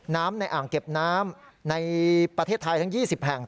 ในอ่างเก็บน้ำในประเทศไทยทั้ง๒๐แห่ง